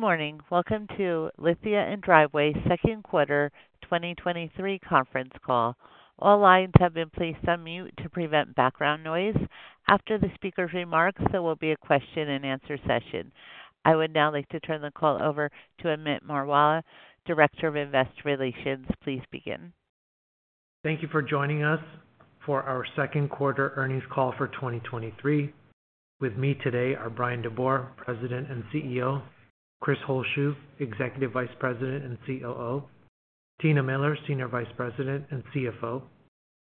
Good morning. Welcome to Lithia & Driveway Second Quarter 2023 Conference Call. All lines have been placed on mute to prevent background noise. After the speaker's remarks, there will be a question-and-answer session. I would now like to turn the call over to Amit Marwaha, Director of Investor Relations. Please begin. Thank you for joining us for our Second Quarter Earnings Call for 2023. With me today are Bryan DeBoer, President and CEO, Chris Holzshu, Executive Vice President and COO, Tina Miller, Senior Vice President and CFO,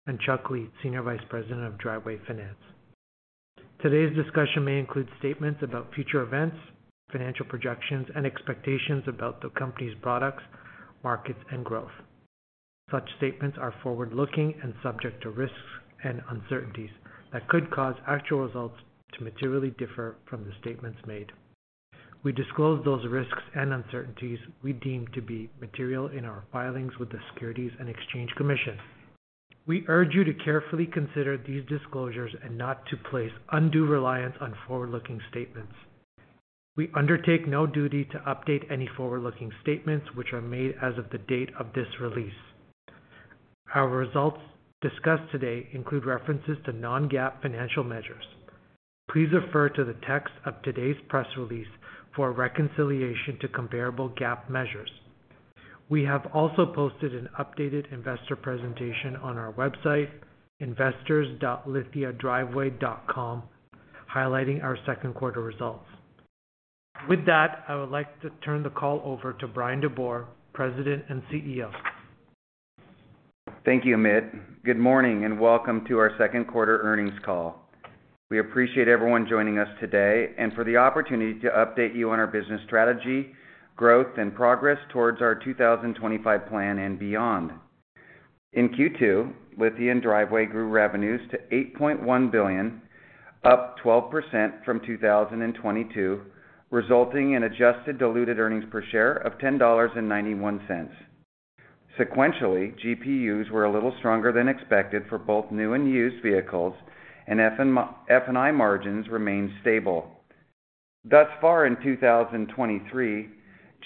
and Chuck Lietz, Senior Vice President of Driveway Finance. Today's discussion may include statements about future events, financial projections, and expectations about the company's products, markets, and growth. Such statements are forward-looking and subject to risks and uncertainties that could cause actual results to materially differ from the statements made. We disclose those risks and uncertainties we deem to be material in our filings with the Securities and Exchange Commission. We urge you to carefully consider these disclosures and not to place undue reliance on forward-looking statements. We undertake no duty to update any forward-looking statements which are made as of the date of this release. Our results discussed today include references to non-GAAP financial measures. Please refer to the text of today's press release for a reconciliation to comparable GAAP measures. We have also posted an updated investor presentation on our website, investors.lithiadriveway.com, highlighting our Q2 results. With that, I would like to turn the call over to Bryan DeBoer, President and CEO. Thank you, Amit. Good morning, and welcome to our Second Quarter Earnings Call. We appreciate everyone joining us today and for the opportunity to update you on our business strategy, growth, and progress towards our 2025 plan and beyond. In Q2, Lithia & Driveway grew revenues to $8.1 billion, up 12% from 2022, resulting in adjusted diluted earnings per share of $10.91. Sequentially, GPUs were a little stronger than expected for both new and used vehicles, and F&I margins remained stable. Thus far in 2023,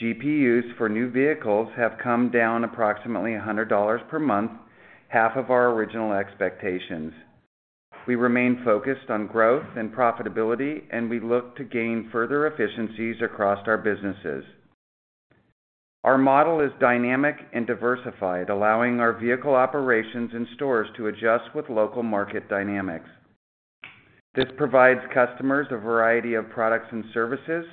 GPUs for new vehicles have come down approximately $100 per month, half of our original expectations. We remain focused on growth and profitability, we look to gain further efficiencies across our businesses. Our model is dynamic and diversified, allowing our vehicle operations and stores to adjust with local market dynamics. This provides customers a variety of products and services,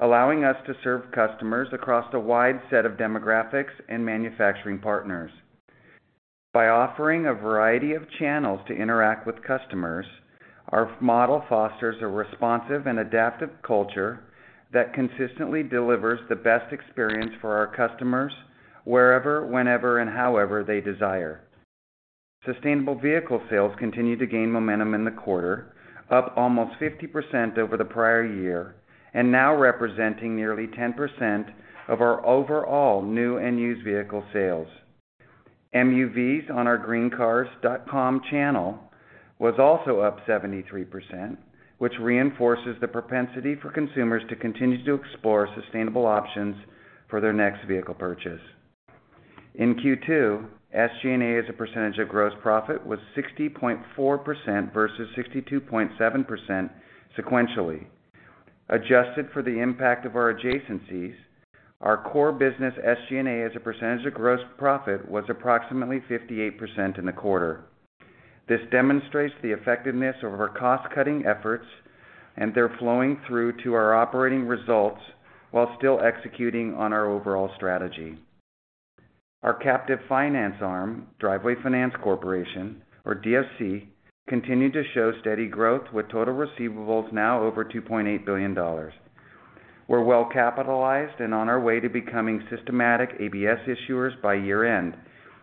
allowing us to serve customers across a wide set of demographics and manufacturing partners. By offering a variety of channels to interact with customers, our model fosters a responsive and adaptive culture that consistently delivers the best experience for our customers wherever, whenever, and however they desire. Sustainable vehicle sales continued to gain momentum in the quarter, up almost 50% over the prior year, and now representing nearly 10% of our overall new and used vehicle sales. MUVs on our GreenCars.com channel was also up 73%, which reinforces the propensity for consumers to continue to explore sustainable options for their next vehicle purchase. In Q2, SG&A, as a percentage of gross profit, was 60.4% versus 62.7% sequentially. Adjusted for the impact of our adjacencies, our core business SG&A, as a percentage of gross profit, was approximately 58% in the quarter. This demonstrates the effectiveness of our cost-cutting efforts, and they're flowing through to our operating results while still executing on our overall strategy. Our captive finance arm, Driveway Finance Corporation or DFC, continued to show steady growth, with total receivables now over $2.8 billion. We're well capitalized and on our way to becoming systematic ABS issuers by year-end,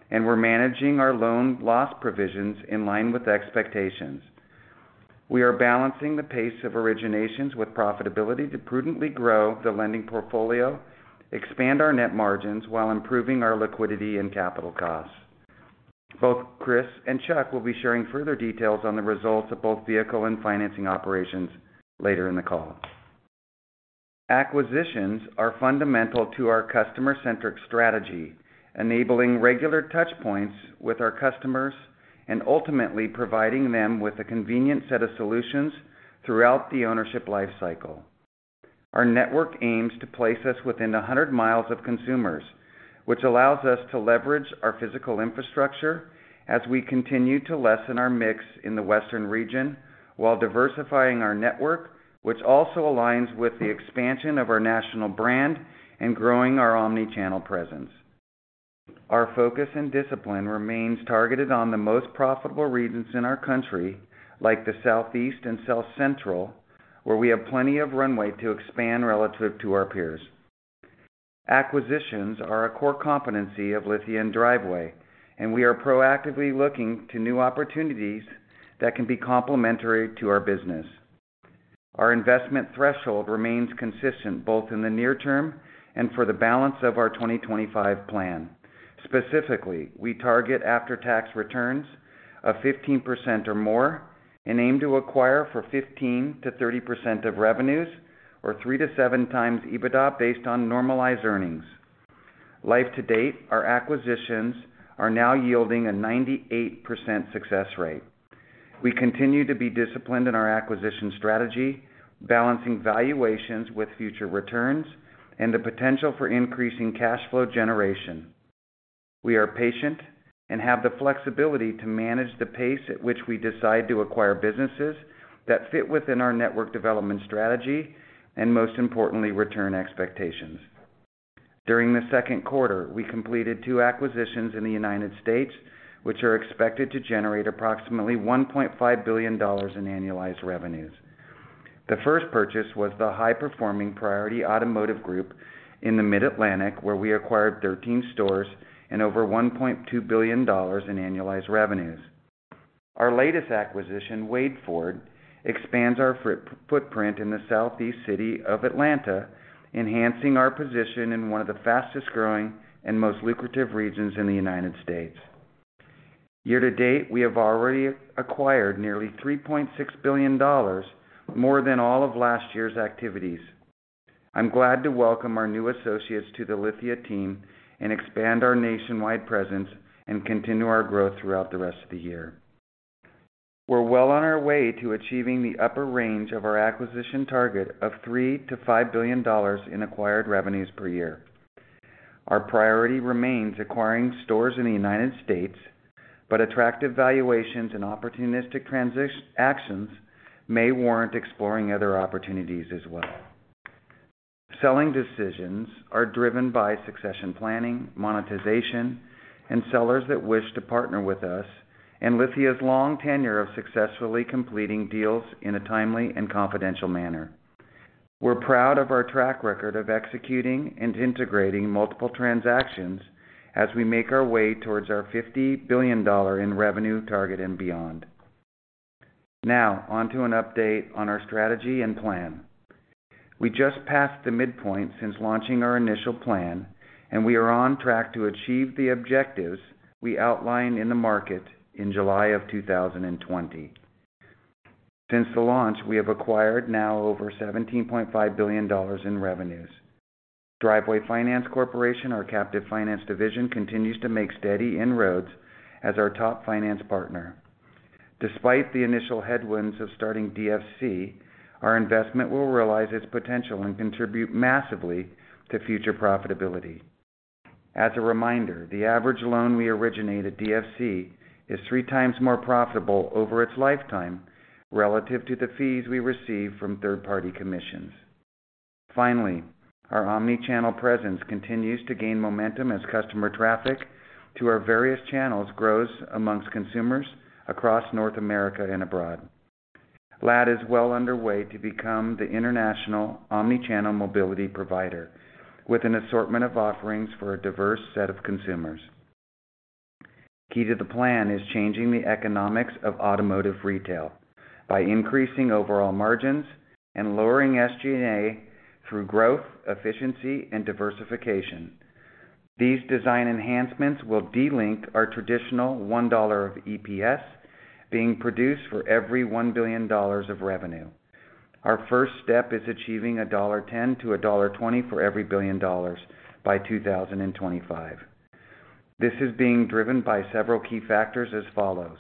and we're managing our loan loss provisions in line with expectations. We are balancing the pace of originations with profitability to prudently grow the lending portfolio, expand our net margins while improving our liquidity and capital costs. Both Chris and Chuck will be sharing further details on the results of both vehicle and financing operations later in the call. Acquisitions are fundamental to our customer-centric strategy, enabling regular touchpoints with our customers and ultimately providing them with a convenient set of solutions throughout the ownership lifecycle. Our network aims to place us within 100 miles of consumers, which allows us to leverage our physical infrastructure as we continue to lessen our mix in the Western region while diversifying our network, which also aligns with the expansion of our national brand and growing our omnichannel presence. Our focus and discipline remains targeted on the most profitable regions in our country, like the Southeast and South Central, where we have plenty of runway to expand relative to our peers. Acquisitions are a core competency of Lithia & Driveway, and we are proactively looking to new opportunities that can be complementary to our business. Our investment threshold remains consistent, both in the near term and for the balance of our 2025 plan. Specifically, we target after-tax returns of 15% or more and aim to acquire for 15%-30% of revenues or three to seven times EBITDA based on normalized earnings. Life to date, our acquisitions are now yielding a 98% success rate. We continue to be disciplined in our acquisition strategy, balancing valuations with future returns and the potential for increasing cash flow generation. We are patient and have the flexibility to manage the pace at which we decide to acquire businesses that fit within our network development strategy, and most importantly, return expectations. During the Q2, we completed 2 acquisitions in the United States, which are expected to generate approximately $1.5 billion in annualized revenues. The first purchase was the high-performing Priority Automotive Group in the Mid-Atlantic, where we acquired 13 stores and over $1.2 billion in annualized revenues. Our latest acquisition, Wade Ford, expands our footprint in the Southeast city of Atlanta, enhancing our position in one of the fastest-growing and most lucrative regions in the United States. Year to date, we have already acquired nearly $3.6 billion, more than all of last year's activities. I'm glad to welcome our new associates to the Lithia team and expand our nationwide presence and continue our growth throughout the rest of the year. We're well on our way to achieving the upper range of our acquisition target of $3 billion-$5 billion in acquired revenues per year. Our priority remains acquiring stores in the United States, but attractive valuations and opportunistic transitions, actions may warrant exploring other opportunities as well. Selling decisions are driven by succession planning, monetization, and sellers that wish to partner with us, and Lithia's long tenure of successfully completing deals in a timely and confidential manner. We're proud of our track record of executing and integrating multiple transactions as we make our way towards our $50 billion in revenue target and beyond. Now, on to an update on our strategy and plan. We just passed the midpoint since launching our initial plan, and we are on track to achieve the objectives we outlined in the market in July of 2020. Since the launch, we have acquired now over $17.5 billion in revenues. Driveway Finance Corporation, our captive finance division, continues to make steady inroads as our top finance partner. Despite the initial headwinds of starting DFC, our investment will realize its potential and contribute massively to future profitability. As a reminder, the average loan we originate at DFC is three times more profitable over its lifetime relative to the fees we receive from third-party commissions. Finally, our omnichannel presence continues to gain momentum as customer traffic to our various channels grows amongst consumers across North America and abroad. LAD is well underway to become the international omnichannel mobility provider, with an assortment of offerings for a diverse set of consumers. Key to the plan is changing the economics of automotive retail by increasing overall margins and lowering SG&A through growth, efficiency, and diversification. These design enhancements will delink our traditional $1 of EPS being produced for every $1 billion of revenue. Our first step is achieving $1.10 to $1.20 for every billion dollars by 2025. This is being driven by several key factors as follows: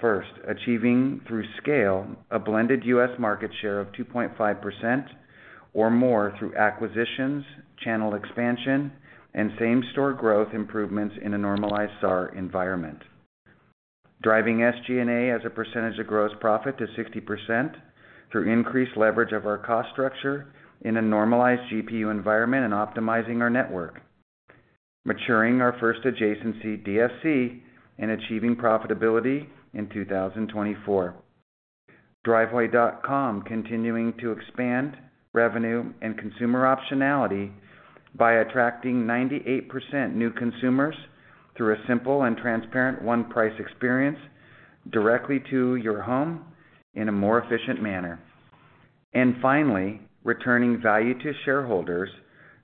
First, achieving through scale a blended US market share of 2.5% or more through acquisitions, channel expansion, and same-store growth improvements in a normalized SAR environment. Driving SG&A as a percentage of gross profit to 60% through increased leverage of our cost structure in a normalized GPU environment and optimizing our network. Maturing our first adjacency, DFC, and achieving profitability in 2024. Driveway.com continuing to expand revenue and consumer optionality by attracting 98% new consumers through a simple and transparent one-price experience directly to your home in a more efficient manner. Finally, returning value to shareholders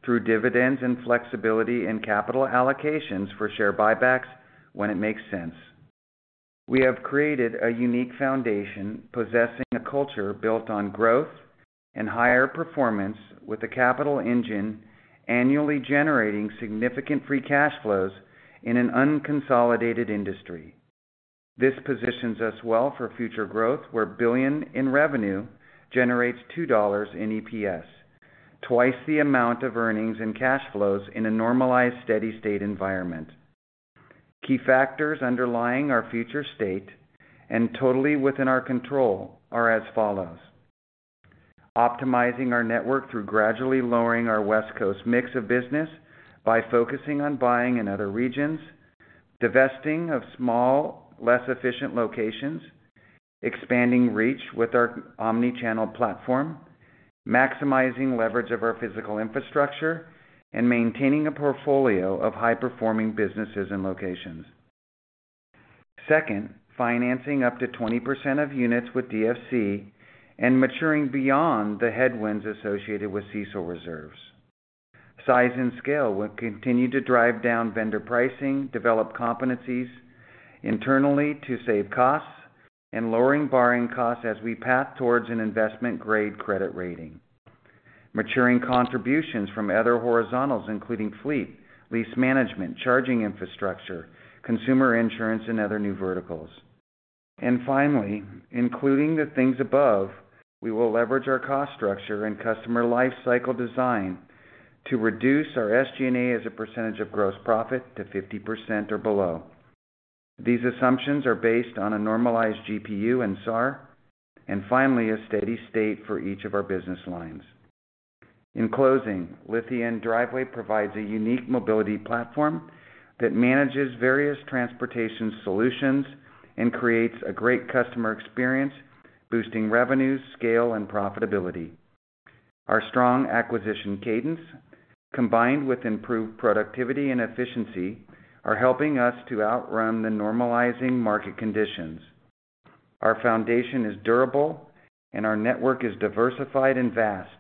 through dividends and flexibility in capital allocations for share buybacks when it makes sense. We have created a unique foundation, possessing a culture built on growth and higher performance, with a capital engine annually generating significant free cash flows in an unconsolidated industry. This positions us well for future growth, where $1 billion in revenue generates two dollars in EPS, twice the amount of earnings and cash flows in a normalized, steady-state environment. Key factors underlying our future state and totally within our control are as follows: Optimizing our network through gradually lowering our West Coast mix of business by focusing on buying in other regions, divesting of small, less efficient locations, expanding reach with our omnichannel platform, maximizing leverage of our physical infrastructure, and maintaining a portfolio of high-performing businesses and locations. Second, financing up to 20% of units with DFC and maturing beyond the headwinds associated with CECL Reserves. Size and scale will continue to drive down vendor pricing, develop competencies internally to save costs, and lowering borrowing costs as we path towards an investment-grade credit rating. Maturing contributions from other horizontals, including fleet, lease management, charging infrastructure, consumer insurance, and other new verticals. Finally, including the things above, we will leverage our cost structure and customer lifecycle design to reduce our SG&A as a percentage of gross profit to 50% or below. These assumptions are based on a normalized GPU and SAR, and finally, a steady state for each of our business lines. In closing, Lithia & Driveway provides a unique mobility platform that manages various transportation solutions and creates a great customer experience, boosting revenues, scale, and profitability. Our strong acquisition cadence, combined with improved productivity and efficiency, are helping us to outrun the normalizing market conditions. Our foundation is durable, and our network is diversified and vast,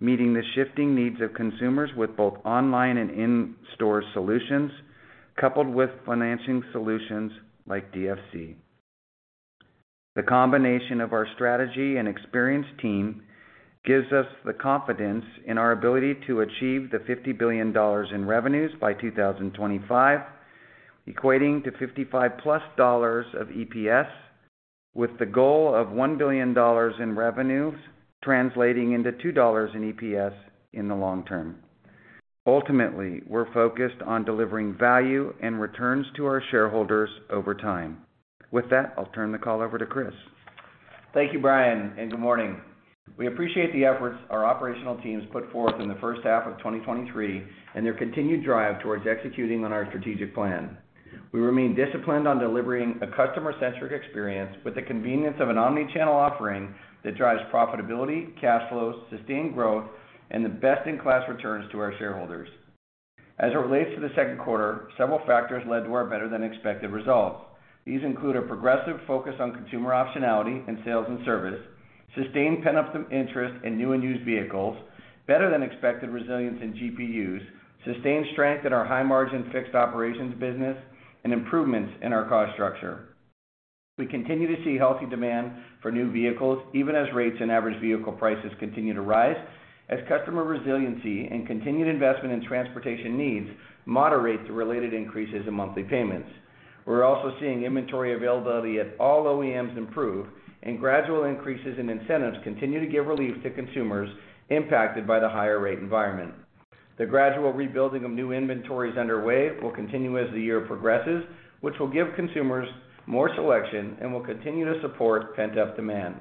meeting the shifting needs of consumers with both online and in-store solutions, coupled with financing solutions like DFC. The combination of our strategy and experienced team gives us the confidence in our ability to achieve the $50 billion in revenues by 2025, equating to $55+ dollars of EPS, with the goal of $1 billion in revenues, translating into $2 in EPS in the long term. Ultimately, we're focused on delivering value and returns to our shareholders over time. With that, I'll turn the call over to Chris. Thank you, Bryan, and good morning. We appreciate the efforts our operational teams put forth in the first half of 2023, and their continued drive towards executing on our strategic plan. We remain disciplined on delivering a customer-centric experience with the convenience of an omnichannel offering that drives profitability, cash flows, sustained growth, and the best-in-class returns to our shareholders. As it relates to the Q2, several factors led to our better-than-expected results. These include a progressive focus on consumer optionality in sales and service, sustained pent-up interest in new and used vehicles, better-than-expected resilience in GPUs, sustained strength in our high-margin fixed operations business, and improvements in our cost structure. We continue to see healthy demand for new vehicles, even as rates and average vehicle prices continue to rise, as customer resiliency and continued investment in transportation needs moderate the related increases in monthly payments. We're also seeing inventory availability at all OEMs improve, and gradual increases in incentives continue to give relief to consumers impacted by the higher rate environment. The gradual rebuilding of new inventories underway will continue as the year progresses, which will give consumers more selection and will continue to support pent-up demand.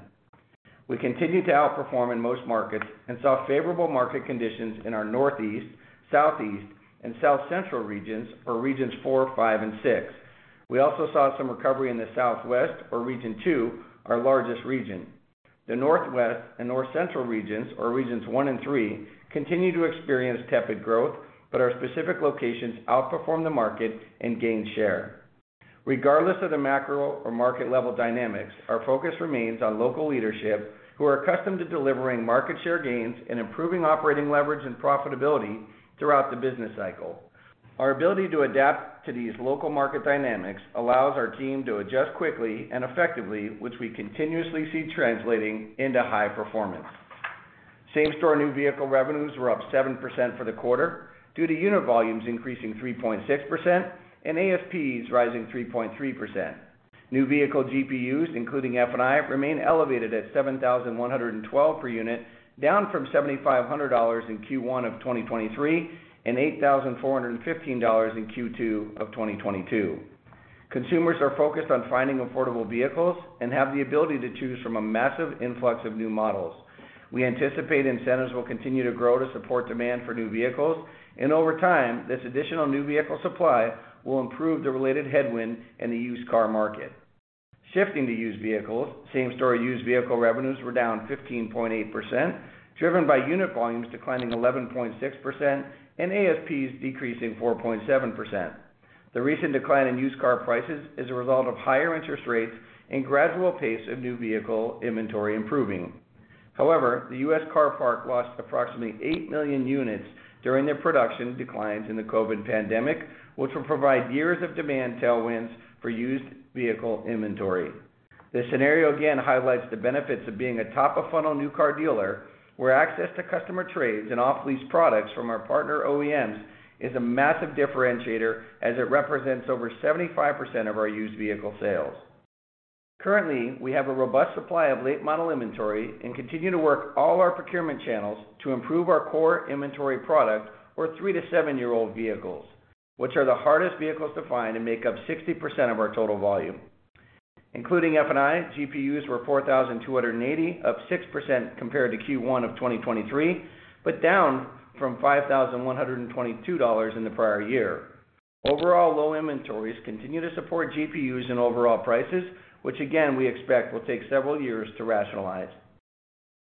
We continued to outperform in most markets and saw favorable market conditions in our Northeast, Southeast, and South Central regions, or Regions Four, Five, and Six. We also saw some recovery in the Southwest, or Region Two, our largest region. The Northwest and North Central regions, or Regions One and Three, continue to experience tepid growth, but our specific locations outperform the market and gain share. Regardless of the macro or market-level dynamics, our focus remains on local leadership, who are accustomed to delivering market share gains and improving operating leverage and profitability throughout the business cycle. Our ability to adapt to these local market dynamics allows our team to adjust quickly and effectively, which we continuously see translating into high performance. Same-store new vehicle revenues were up 7% for the quarter due to unit volumes increasing 3.6% and AFPs rising 3.3%. New vehicle GPUs, including F&I, remain elevated at $7,112 per unit, down from $7,500 in Q1 of 2023, and $8,415 in Q2 of 2022. Consumers are focused on finding affordable vehicles and have the ability to choose from a massive influx of new models. We anticipate incentives will continue to grow to support demand for new vehicles, and over time, this additional new vehicle supply will improve the related headwind in the used car market. Shifting to used vehicles, same-store used vehicle revenues were down 15.8%, driven by unit volumes declining 11.6% and AFPs decreasing 4.7%. The recent decline in used car prices is a result of higher interest rates and gradual pace of new vehicle inventory improving. However, the U.S. car parc lost approximately 8 million units during the production declines in the COVID pandemic, which will provide years of demand tailwinds for used vehicle inventory. This scenario again highlights the benefits of being a top-of-funnel new car dealer, where access to customer trades and off-lease products from our partner OEMs is a massive differentiator as it represents over 75% of our used vehicle sales. Currently, we have a robust supply of late-model inventory and continue to work all our procurement channels to improve our core inventory product for three to seven-year-old vehicles, which are the hardest vehicles to find and make up 60% of our total volume. Including F&I, GPUs were $4,280, up 6% compared to Q1 of 2023, but down from $5,122 in the prior year. Overall, low inventories continue to support GPUs and overall prices, which again, we expect will take several years to rationalize.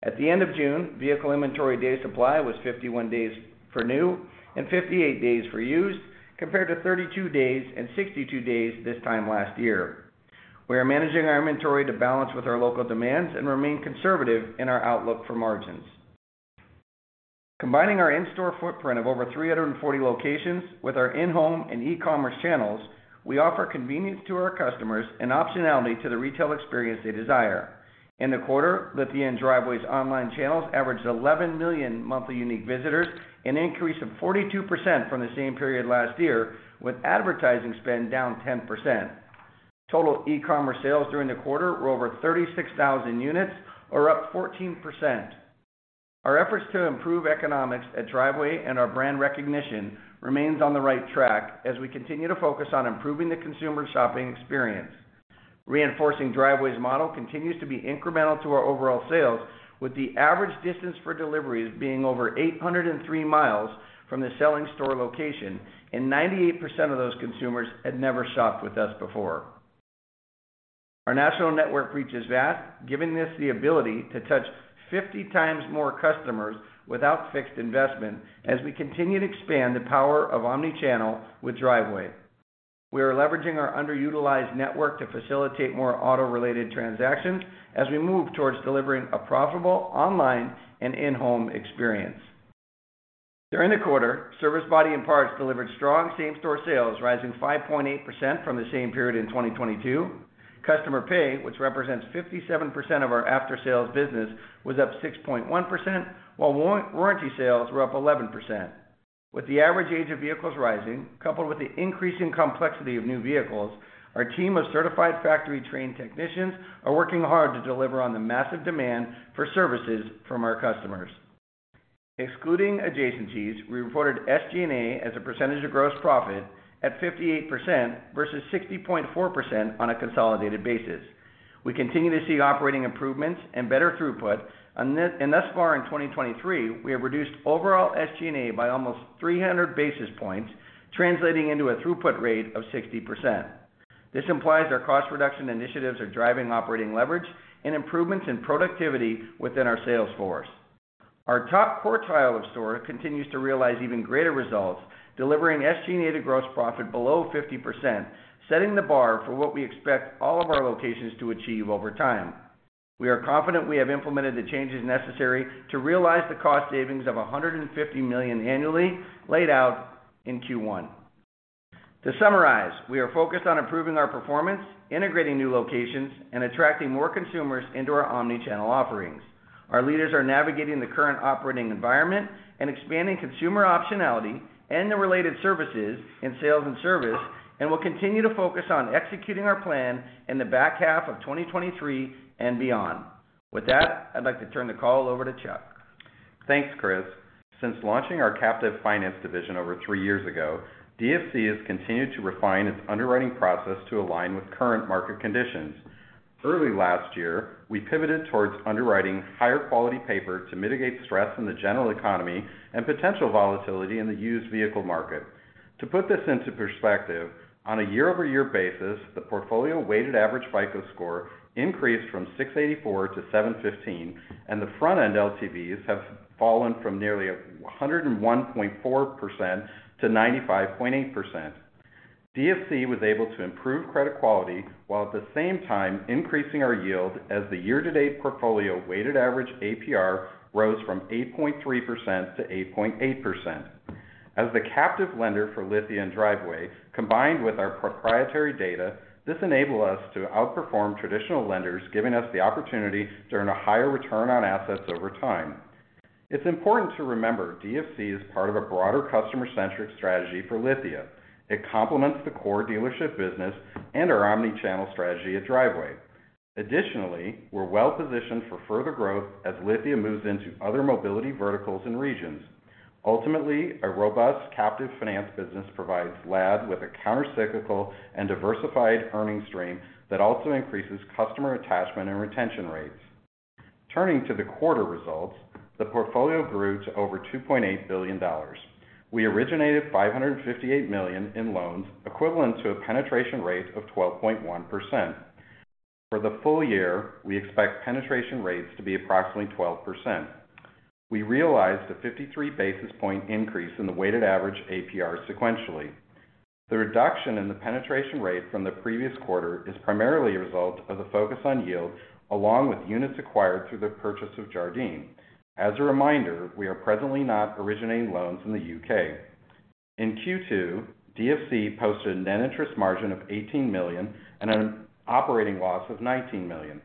At the end of June, vehicle inventory day supply was 51 days for new and 58 days for used, compared to 32 days and 62 days this time last year. We are managing our inventory to balance with our local demands and remain conservative in our outlook for margins. Combining our in-store footprint of over 340 locations with our in-home and e-commerce channels, we offer convenience to our customers and optionality to the retail experience they desire. In the quarter, Lithia & Driveway's online channels averaged 11 million monthly unique visitors, an increase of 42% from the same period last year, with advertising spend down 10%. Total e-commerce sales during the quarter were over 36,000 units, or up 14%. Our efforts to improve economics at Driveway and our brand recognition remains on the right track as we continue to focus on improving the consumer shopping experience. Reinforcing Driveway's model continues to be incremental to our overall sales, with the average distance for deliveries being over 803 miles from the selling store location, and 98% of those consumers had never shopped with us before. Our national network reaches vast, giving us the ability to touch 50 times more customers without fixed investment as we continue to expand the power of omnichannel with Driveway. We are leveraging our underutilized network to facilitate more auto-related transactions as we move towards delivering a profitable online and in-home experience. During the quarter, service body and parts delivered strong same-store sales, rising 5.8% from the same period in 2022. Customer pay, which represents 57% of our after-sales business, was up 6.1%, while warranty sales were up 11%. With the average age of vehicles rising, coupled with the increasing complexity of new vehicles, our team of certified factory-trained technicians are working hard to deliver on the massive demand for services from our customers. Excluding adjacencies, we reported SG&A as a percentage of gross profit at 58% versus 60.4% on a consolidated basis. We continue to see operating improvements and better throughput, and thus far in 2023, we have reduced overall SG&A by almost 300 basis points, translating into a throughput rate of 60%. This implies our cost reduction initiatives are driving operating leverage and improvements in productivity within our sales force. Our top quartile of store continues to realize even greater results, delivering SG&A to gross profit below 50%, setting the bar for what we expect all of our locations to achieve over time. We are confident we have implemented the changes necessary to realize the cost savings of $150 million annually laid out in Q1. To summarize, we are focused on improving our performance, integrating new locations, and attracting more consumers into our omnichannel offerings. Our leaders are navigating the current operating environment and expanding consumer optionality and the related services in sales and service, and we'll continue to focus on executing our plan in the back half of 2023 and beyond. With that, I'd like to turn the call over to Chuck. Thanks, Chris. Since launching our captive finance division over three years ago, DFC has continued to refine its underwriting process to align with current market conditions. Early last year, we pivoted towards underwriting higher quality paper to mitigate stress in the general economy and potential volatility in the used vehicle market. To put this into perspective, on a year-over-year basis, the portfolio weighted average FICO score increased from 684 to 715, and the front-end LTVs have fallen from nearly 101.4% to 95.8%. DFC was able to improve credit quality while at the same time increasing our yield as the year-to-date portfolio weighted average APR rose from 8.3% to 8.8%. As the captive lender for Lithia & Driveway, combined with our proprietary data, this enable us to outperform traditional lenders, giving us the opportunity to earn a higher return on assets over time. It's important to remember DFC is part of a broader customer-centric strategy for Lithia. It complements the core dealership business and our omnichannel strategy at Driveway. We're well positioned for further growth as Lithia moves into other mobility verticals and regions. Ultimately, a robust captive finance business provides LAD with a countercyclical and diversified earning stream that also increases customer attachment and retention rates. Turning to the quarter results, the portfolio grew to over $2.8 billion. We originated $558 million in loans, equivalent to a penetration rate of 12.1%. For the full year, we expect penetration rates to be approximately 12%. We realized a 53 basis point increase in the weighted average APR sequentially. The reduction in the penetration rate from the previous quarter is primarily a result of the focus on yield, along with units acquired through the purchase of Jardine. As a reminder, we are presently not originating loans in the UK. In Q2, DFC posted a net interest margin of $18 million and an operating loss of $19 million.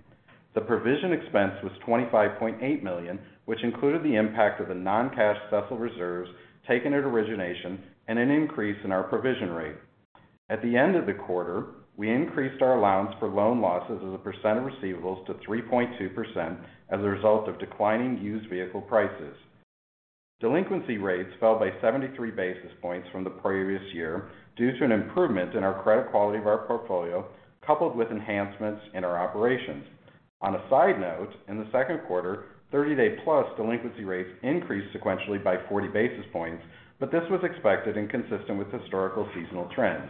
The provision expense was $25.8 million, which included the impact of the non-cash special reserves taken at origination and an increase in our provision rate. At the end of the quarter, we increased our allowance for loan losses as a percent of receivables to 3.2% as a result of declining used vehicle prices. Delinquency rates fell by 73 basis points from the previous year due to an improvement in our credit quality of our portfolio, coupled with enhancements in our operations. On a side note, in the Q2, 30-day-plus delinquency rates increased sequentially by 40 basis points, this was expected and consistent with historical seasonal trends.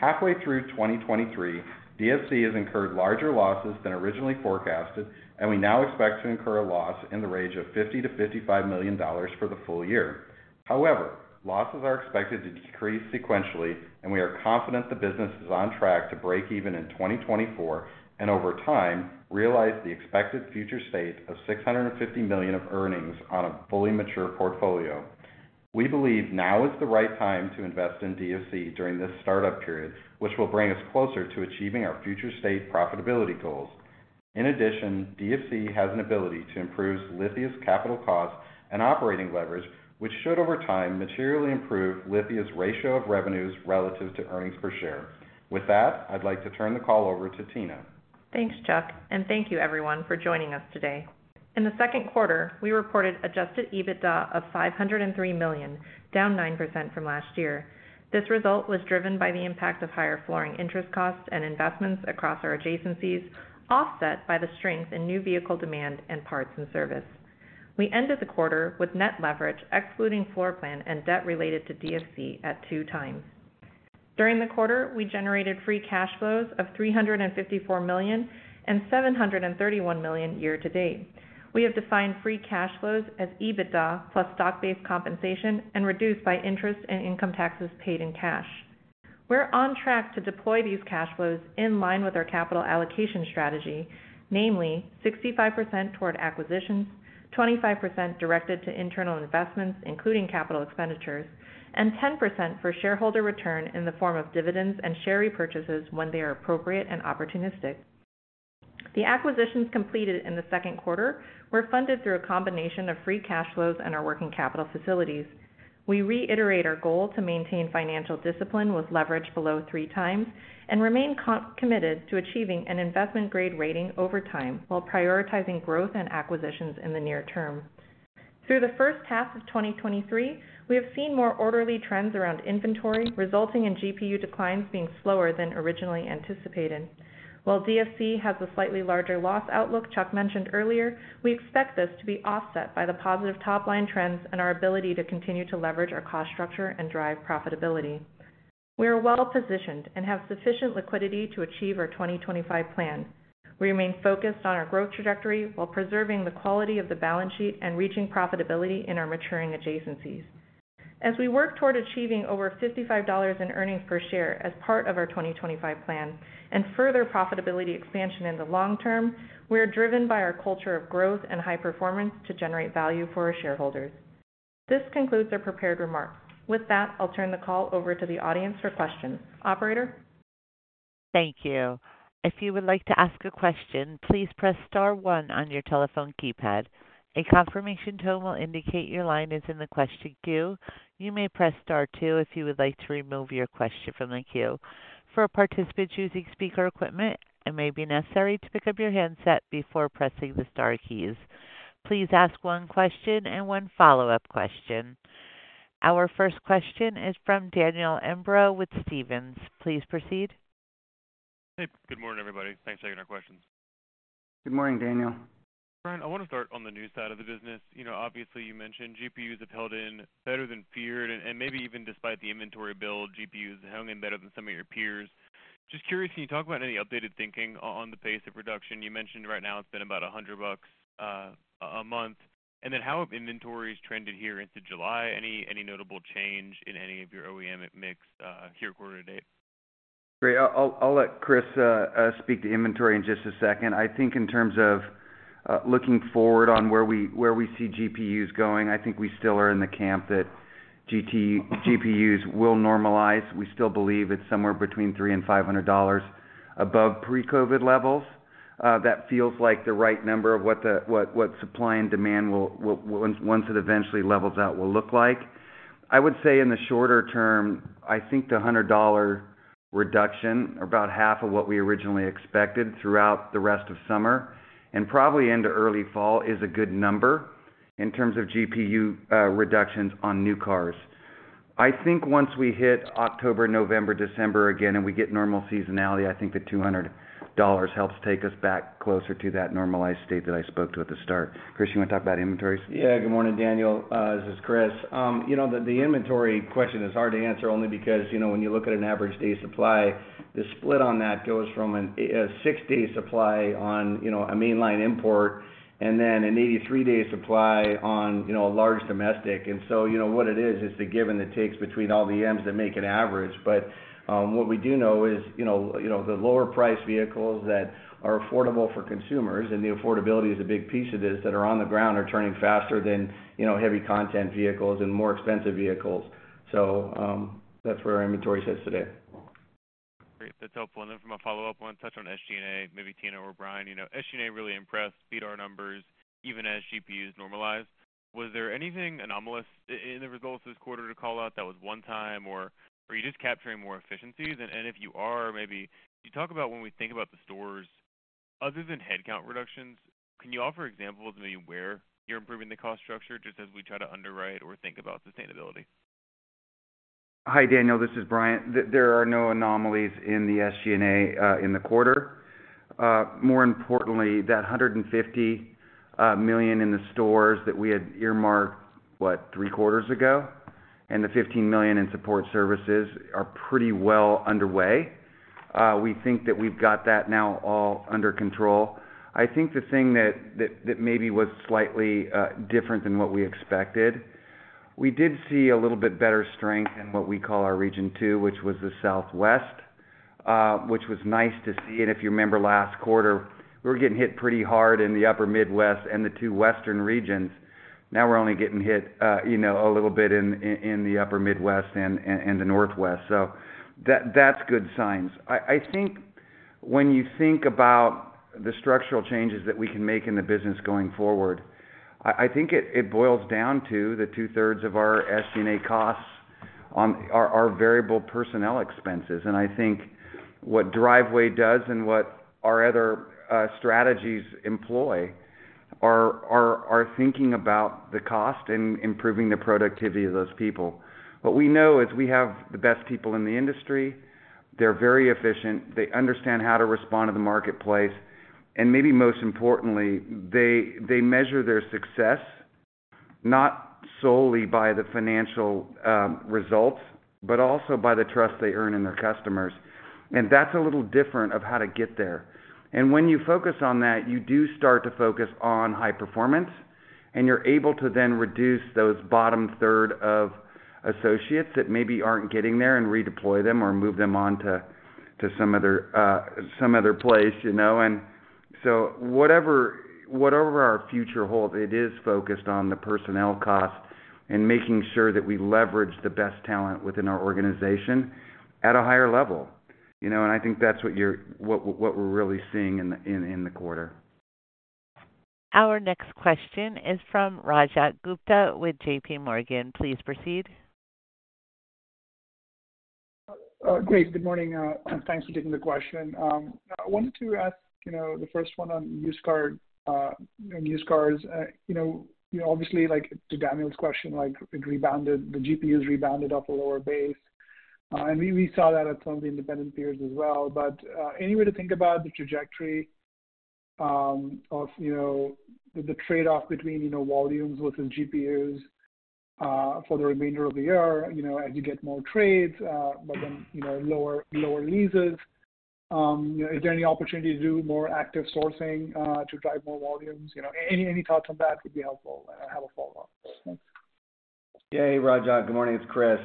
Halfway through 2023, DFC has incurred larger losses than originally forecasted, and we now expect to incur a loss in the range of $50 million-$55 million for the full year. However, losses are expected to decrease sequentially, and we are confident the business is on track to break even in 2024, and over time, realize the expected future state of $650 million of earnings on a fully mature portfolio. We believe now is the right time to invest in DFC during this startup period, which will bring us closer to achieving our future state profitability goals. In addition, DFC has an ability to improve Lithia's capital costs and operating leverage, which should, over time, materially improve Lithia's ratio of revenues relative to earnings per share. With that, I'd like to turn the call over to Tina. Thanks, Chuck, and thank you everyone for joining us today. In the Q2, we reported adjusted EBITDA of $503 million, down 9% from last year. This result was driven by the impact of higher flooring interest costs and investments across our adjacencies, offset by the strength in new vehicle demand and parts and service. We ended the quarter with net leverage, excluding floor plan and debt related to DFC, at 2 times. During the quarter, we generated free cash flows of $354 million and $731 million year-to-date. We have defined free cash flows as EBITDA plus stock-based compensation and reduced by interest and income taxes paid in cash. We're on track to deploy these cash flows in line with our capital allocation strategy, namely 65% toward acquisitions, 25% directed to internal investments, including capital expenditures, and 10% for shareholder return in the form of dividends and share repurchases when they are appropriate and opportunistic. The acquisitions completed in Q2 were funded through a combination of free cash flows and our working capital facilities. We reiterate our goal to maintain financial discipline with leverage below 3x and remain committed to achieving an investment-grade credit rating over time while prioritizing growth and acquisitions in the near term. Through the first half of 2023, we have seen more orderly trends around inventory, resulting in GPU declines being slower than originally anticipated. While DFC has a slightly larger loss outlook, Chuck mentioned earlier, we expect this to be offset by the positive top-line trends and our ability to continue to leverage our cost structure and drive profitability. We are well positioned and have sufficient liquidity to achieve our 2025 plan. We remain focused on our growth trajectory while preserving the quality of the balance sheet and reaching profitability in our maturing adjacencies. As we work toward achieving over $55 in EPS as part of our 2025 plan and further profitability expansion in the long term, we are driven by our culture of growth and high performance to generate value for our shareholders. This concludes our prepared remarks. With that, I'll turn the call over to the audience for questions. Operator? Thank you. If you would like to ask a question, please press star one on your telephone keypad. A confirmation tone will indicate your line is in the question queue. You may press Star two if you would like to remove your question from the queue. For participants using speaker equipment, it may be necessary to pick up your handset before pressing the star keys. Please ask one question and one follow-up question. Our first question is from Daniel Imbro with Stephens. Please proceed. Hey, good morning, everybody. Thanks for taking our questions. Good morning, Daniel. Bryan, I want to start on the new side of the business. You know, obviously, you mentioned GPUs have held in better than feared, and maybe even despite the inventory build, GPUs have hung in better than some of your peers. Just curious, can you talk about any updated thinking on the pace of reduction? You mentioned right now it's been about $100 a month. Then how have inventories trended here into July? Any notable change in any of your OEM mix, year quarter to date? Great. I'll let Chris speak to inventory in just a second. I think in terms of looking forward on where we see GPUs going, I think we still are in the camp that GPUs will normalize. We still believe it's somewhere between $300-$500 above pre-COVID levels. That feels like the right number of what the supply and demand will, once it eventually levels out, will look like. I would say in the shorter term, I think the $100 reduction, about half of what we originally expected throughout the rest of summer and probably into early fall, is a good number in terms of GPU reductions on new cars. I think once we hit October, November, December again, and we get normal seasonality, I think the $200 helps take us back closer to that normalized state that I spoke to at the start. Chris, you want to talk about inventories? Yeah. Good morning, Daniel, this is Chris. You know, the inventory question is hard to answer only because, you know, when you look at an average day supply, the split on that goes from a six-day supply on, you know, a mainline import and then an 83-day supply on, you know, a large domestic. You know, what it is, it's the give and the takes between all the M's that make an average. What we do know is, you know, the lower-priced vehicles that are affordable for consumers, and the affordability is a big piece of this, that are on the ground are turning faster than, you know, heavy content vehicles and more expensive vehicles. That's where our inventory sits today. Great. That's helpful. Then from a follow-up, want to touch on SG&A, maybe Tina or Bryan. You know, SG&A really impressed, beat our numbers even as GPUs normalized. Was there anything anomalous in the results this quarter to call out that was one time, or are you just capturing more efficiencies? If you are, maybe can you talk about when we think about the stores, other than headcount reductions, can you offer examples of maybe where you're improving the cost structure, just as we try to underwrite or think about sustainability? Hi, Daniel, this is Brian. There are no anomalies in the SG&A in the quarter. More importantly, that $150 million in the stores that we had earmarked... what, three quarters ago? The $15 million in support services are pretty well underway. We think that we've got that now all under control. I think the thing that maybe was slightly different than what we expected, we did see a little bit better strength in what we call our Region Two, which was the Southwest. Which was nice to see, if you remember last quarter, we were getting hit pretty hard in the upper Midwest and the two western regions. Now we're only getting hit, you know, a little bit in the upper Midwest and the Northwest. That's good signs. I think when you think about the structural changes that we can make in the business going forward, I think it boils down to the two-thirds of our SG&A costs on our variable personnel expenses. I think what Driveway does and what our other strategies employ are thinking about the cost and improving the productivity of those people. What we know is we have the best people in the industry, they're very efficient, they understand how to respond to the marketplace, and maybe most importantly, they measure their success not solely by the financial results, but also by the trust they earn in their customers. That's a little different of how to get there. When you focus on that, you do start to focus on high performance, and you're able to then reduce those bottom third of associates that maybe aren't getting there and redeploy them or move them on to some other, some other place, you know. Whatever, whatever our future holds, it is focused on the personnel costs and making sure that we leverage the best talent within our organization at a higher level. You know, I think that's what we're really seeing in the quarter. Our next question is from Rajat Gupta with J.P. Morgan. Please proceed. Great. Good morning, and thanks for taking the question. I wanted to ask, you know, the first one on used car, and used cars. You know, obviously, like, to Daniel's question, like, the GP has rebounded off a lower base, and we saw that at some of the independent peers as well. Any way to think about the trajectory, of, you know, the trade-off between, you know, volumes versus GPUs, for the remainder of the year, you know, as you get more trades, but then, you know, lower leases. Is there any opportunity to do more active sourcing, to drive more volumes? You know, any thoughts on that would be helpful. I have a follow-up. Yeah. Rajat, good morning. It's Chris.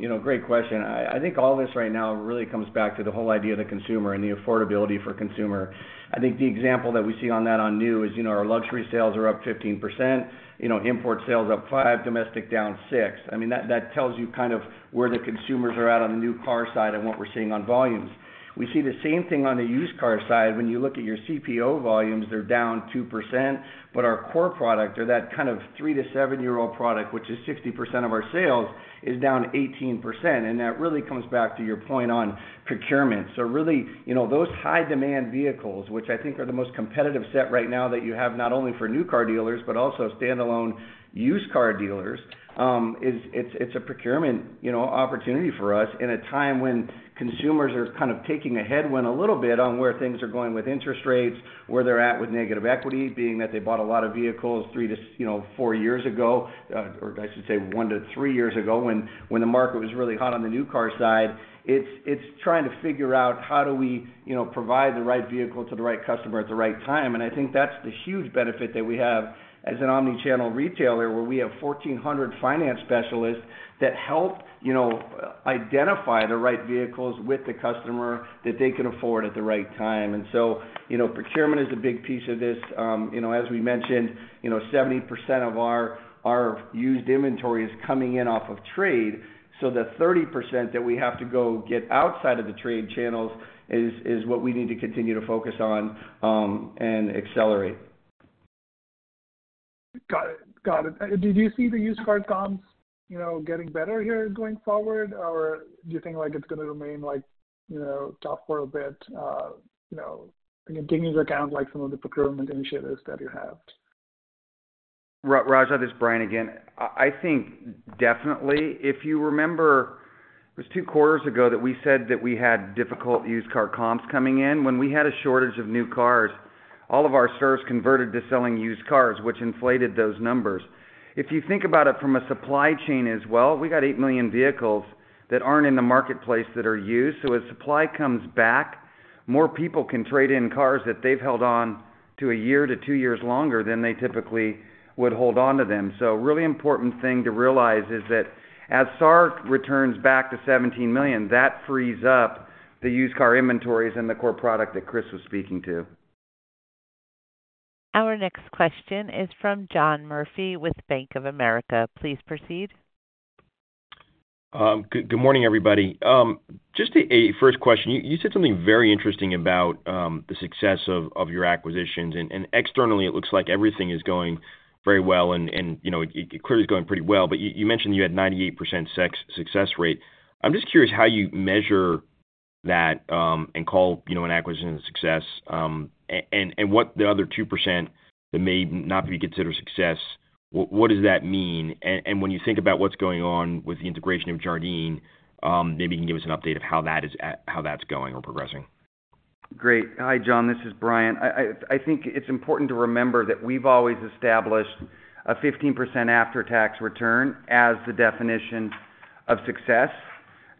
you know, great question. I think all this right now really comes back to the whole idea of the consumer and the affordability for consumer. I think the example that we see on that on new is, you know, our luxury sales are up 15%, you know, import sales up 5, domestic down 6. I mean, that tells you kind of where the consumers are at on the new car side and what we're seeing on volumes. We see the same thing on the used car side. When you look at your CPO volumes, they're down 2%, but our core product or that kind of 3-7-year-old product, which is 60% of our sales, is down 18%. That really comes back to your point on procurement. Really, you know, those high-demand vehicles, which I think are the most competitive set right now, that you have not only for new car dealers but also standalone used car dealers, it's a procurement, you know, opportunity for us in a time when consumers are kind of taking a headwind a little bit on where things are going with interest rates, where they're at with negative equity, being that they bought a lot of vehicles three to, you know, four years ago, or I should say one to three years ago, when the market was really hot on the new car side. It's trying to figure out how do we, you know, provide the right vehicle to the right customer at the right time. I think that's the huge benefit that we have as an omnichannel retailer, where we have 1,400 finance specialists that help, you know, identify the right vehicles with the customer that they can afford at the right time. You know, procurement is a big piece of this. You know, as we mentioned, you know, 70% of our used inventory is coming in off of trade, so the 30% that we have to go get outside of the trade channels is what we need to continue to focus on, and accelerate. Got it. Got it. Do you see the used car comps, you know, getting better here going forward, or do you think, like, it's going to remain like, you know, tough for a bit, you know, taking into account, like, some of the procurement initiatives that you have? Rajat, this is Bryan again. I think definitely. If you remember, it was two quarters ago that we said that we had difficult used car comps coming in. When we had a shortage of new cars, all of our stores converted to selling used cars, which inflated those numbers. If you think about it from a supply chain as well, we got 8 million vehicles that aren't in the marketplace that are used. As supply comes back, more people can trade in cars that they've held on to a year to two years longer than they typically would hold on to them. A really important thing to realize is that as SAR returns back to 17 million, that frees up the used car inventories and the core product that Chris was speaking to. Our next question is from John Murphy with Bank of America. Please proceed. Good morning, everybody. Just a first question. You said something very interesting about the success of your acquisitions, and externally, it looks like everything is going very well and, you know, it clearly is going pretty well. You mentioned you had 98% success rate. I'm just curious how you measure that, and call, you know, an acquisition a success, and what the other 2% that may not be considered a success, what does that mean? When you think about what's going on with the integration of Jardine, maybe you can give us an update of how that's going or progressing.... Great. Hi, John, this is Bryan. I think it's important to remember that we've always established a 15% after-tax return as the definition of success.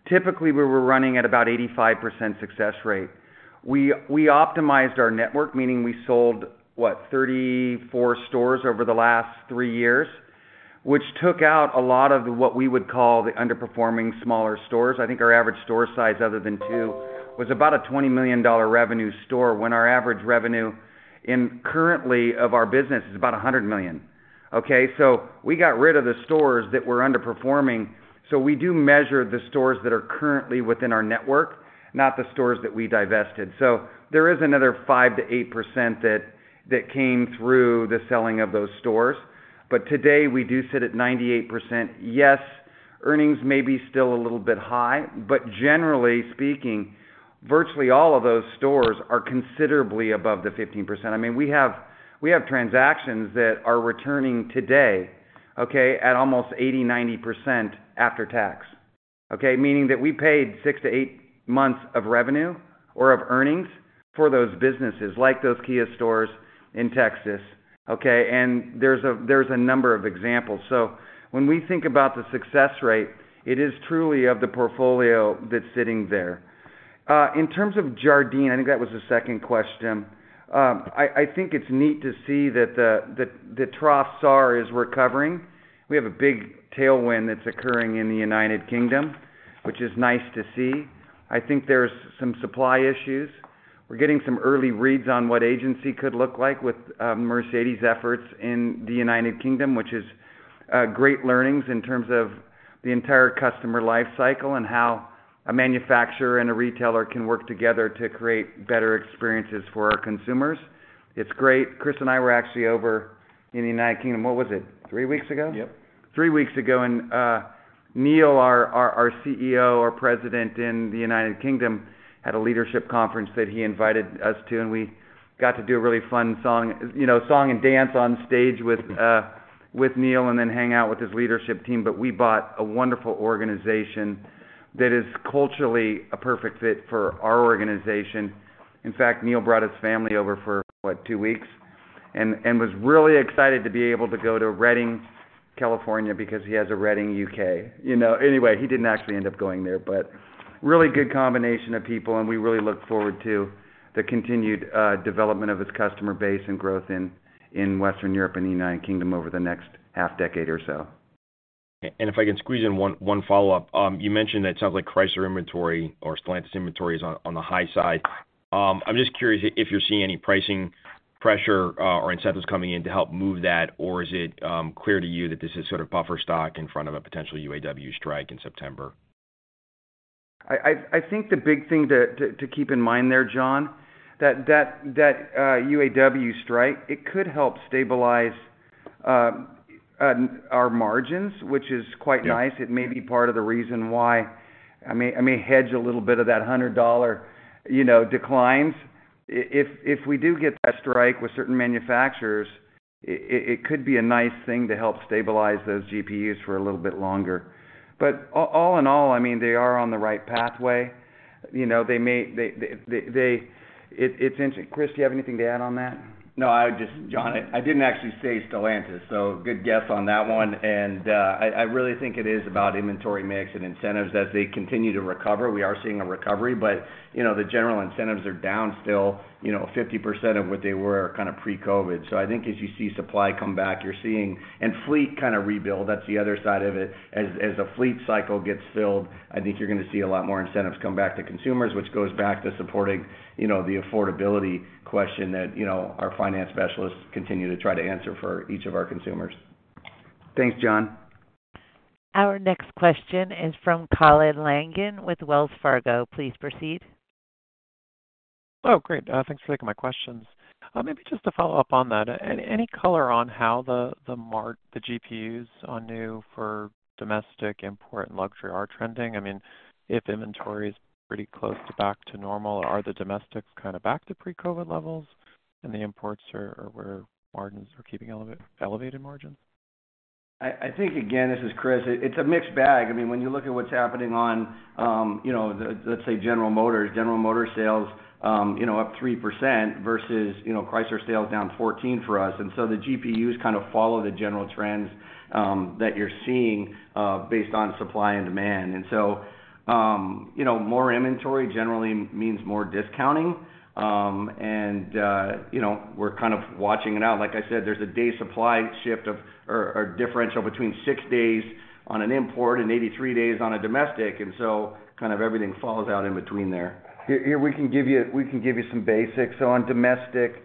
Typically, we were running at about 85% success rate. We optimized our network, meaning we sold, what? 34 stores over the last three years, which took out a lot of what we would call the underperforming smaller stores. I think our average store size, other than two, was about a $20 million revenue store, when our average revenue in currently of our business is about a $100 million. We got rid of the stores that were underperforming. We do measure the stores that are currently within our network, not the stores that we divested. There is another 5%-8% that came through the selling of those stores. Today, we do sit at 98%. Yes, earnings may be still a little bit high, but generally speaking, virtually all of those stores are considerably above the 15%. I mean, we have transactions that are returning today, okay, at almost 80%-90% after tax, okay? Meaning that we paid six to eight months of revenue or of earnings for those businesses, like those Kia stores in Texas, okay? There's a number of examples. So when we think about the success rate, it is truly of the portfolio that's sitting there. In terms of Jardine, I think that was the second question. I think it's neat to see that the trough SAR is recovering. We have a big tailwind that's occurring in the United Kingdom, which is nice to see. I think there's some supply issues. We're getting some early reads on what agency could look like with Mercedes efforts in the United Kingdom, which is great learnings in terms of the entire customer life cycle and how a manufacturer and a retailer can work together to create better experiences for our consumers. It's great. Chris and I were actually over in the United Kingdom. What was it? Three weeks ago? Yep. Three weeks ago, Neil, our CEO, our President in the United Kingdom, had a leadership conference that he invited us to, and we got to do a really fun song, you know, song and dance on stage with Neil and then hang out with his leadership team. We bought a wonderful organization that is culturally a perfect fit for our organization. In fact, Neil brought his family over for, what, two weeks? Was really excited to be able to go to Redding, California, because he has a Reading, U.K. You know, anyway, he didn't actually end up going there, really good combination of people, we really look forward to the continued development of its customer base and growth in Western Europe and the United Kingdom over the next half decade or so. If I can squeeze in one follow-up. You mentioned it sounds like Chrysler inventory or Stellantis inventory is on the high side. I'm just curious if you're seeing any pricing pressure or incentives coming in to help move that, or is it clear to you that this is sort of buffer stock in front of a potential UAW strike in September? I think the big thing to keep in mind there, John, that UAW strike, it could help stabilize our margins, which is quite nice. Yeah. It may be part of the reason why... I may hedge a little bit of that $100, you know, declines. If, if we do get that strike with certain manufacturers, it could be a nice thing to help stabilize those GPUs for a little bit longer. All in all, I mean, they are on the right pathway. You know, they, it's interesting. Chris, do you have anything to add on that? No, I just John, I didn't actually say Stellantis, good guess on that one. I really think it is about inventory mix and incentives. As they continue to recover, we are seeing a recovery, but, you know, the general incentives are down still, you know, 50% of what they were kind of pre-COVID. I think as you see supply come back, and fleet kind of rebuild, that's the other side of it. As the fleet cycle gets filled, I think you're going to see a lot more incentives come back to consumers, which goes back to supporting, you know, the affordability question that, you know, our finance specialists continue to try to answer for each of our consumers. Thanks, John. Our next question is from Colin Langan with Wells Fargo. Please proceed. Oh, great. Thanks for taking my questions. Maybe just to follow up on that, any color on how the GPUs on new for domestic import and luxury are trending? I mean, if inventory is pretty close to back to normal, are the domestics kind of back to pre-COVID levels and the imports are where margins are keeping elevated margins? I think, again, this is Chris. It's a mixed bag. I mean, when you look at what's happening on, you know, let's say General Motors. General Motors sales, you know, up 3% versus, you know, Chrysler sales down 14 for us. The GPUs kind of follow the general trends that you're seeing based on supply and demand. More inventory generally means more discounting. You know, we're kind of watching it out. Like I said, there's a day supply shift or differential between six days on an import and 83 days on a domestic, kind of everything falls out in between there. Here, we can give you some basics. On domestic,